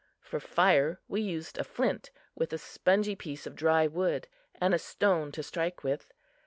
For fire we used a flint with a spongy piece of dry wood and a stone to strike with.